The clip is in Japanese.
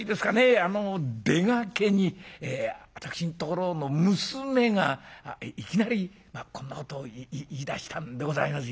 あの出がけに私のところの娘がいきなりこんなことを言いだしたんでございます。